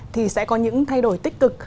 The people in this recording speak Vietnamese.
thì sẽ có những thay đổi tích cực